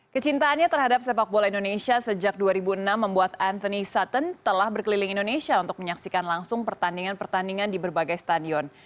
kecintaannya terhadap sepak bola indonesia sejak dua ribu enam membuat anthony sutton telah berkeliling indonesia untuk menyaksikan langsung pertandingan pertandingan di berbagai stadion